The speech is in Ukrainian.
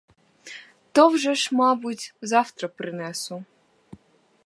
То вже ж, мабуть, завтра принесу.